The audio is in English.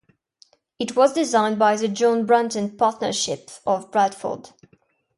It was designed by the John Brunton Partnership of Bradford.